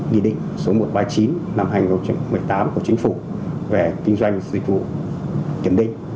nghị định số một trăm ba mươi chín năm hai nghìn một mươi tám của chính phủ về kinh doanh dịch vụ kiểm định